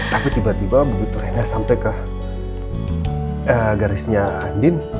tapi tiba tiba begitu rena sampai ke garisnya andien